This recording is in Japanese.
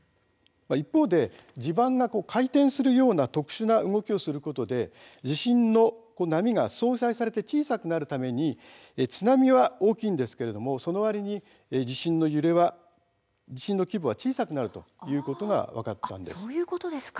一方で地盤が回転するような特殊な動きをすることで地震波が相殺されて小さくなるため津波は大きいんですがそのわりに地震の規模は小さくなるということが分かりました。